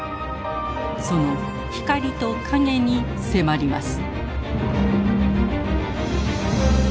その光と影に迫ります。